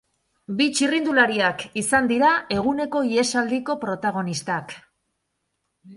Bi txirrindulariak izan dira eguneko ihesaldiko protagonistak.